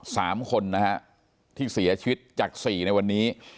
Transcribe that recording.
สามคนนะฮะที่เสียชีวิตจากสี่ในวันนี้